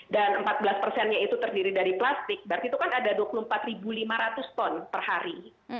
dan empat belas persennya itu terdiri dari plastik berarti itu kan ada dua puluh empat lima ratus ton per hari